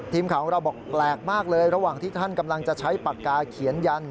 ทีมข่าวของเราบอกแปลกมากเลยระหว่างที่ท่านกำลังจะใช้ปากกาเขียนยัน